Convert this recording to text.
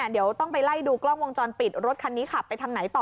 เดี๋ยวต้องไปไล่ดูกล้องวงจรปิดรถคันนี้ขับไปทางไหนต่อ